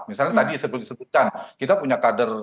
misalnya tadi sebelum disetujukan kita punya kader